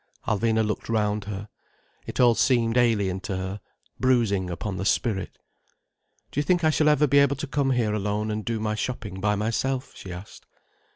Alvina looked round her. It all seemed alien to her, bruising upon the spirit. "Do you think I shall ever be able to come here alone and do my shopping by myself?" she asked.